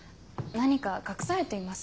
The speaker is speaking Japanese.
何か隠されています？